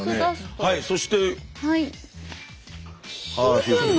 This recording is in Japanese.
はいそして。